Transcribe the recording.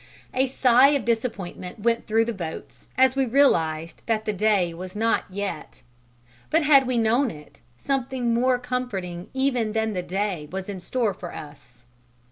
A sigh of disappointment went through the boat as we realized that the day was not yet; but had we known it, something more comforting even than the day was in store for us.